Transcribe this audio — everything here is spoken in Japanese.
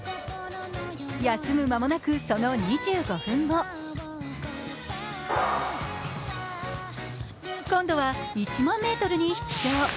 休む間もなく、その２５分後、今度は１００００ｍに出場。